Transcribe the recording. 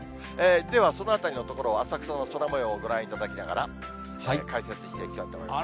では、そのあたりのところを浅草の空もようをご覧いただきながら、解説していこうと思います。